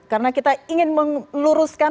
karena kita ingin meluruskan